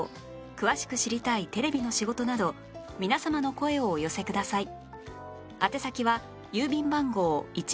詳しく知りたいテレビの仕事など皆様の声をお寄せください